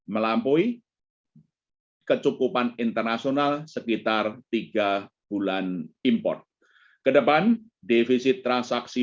melampaui kecukupan internasional sekitar tiga bulan import kedepan defisit transaksi